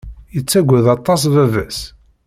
Yettaggad aṭas baba-s.